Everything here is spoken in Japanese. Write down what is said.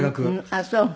あっそう。